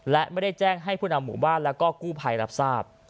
และไม่ได้แจ้งให้ผู้นำหมู่บ้านแล้วก็กู้ภัยรับทราบ